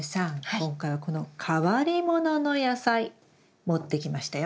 今回はこの変わりものの野菜持ってきましたよ。